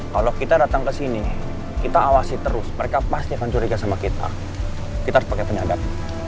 kalau kita datang ke sini kita awasi terus mereka pasti akan curiga sama kita kita harus pakai penyadap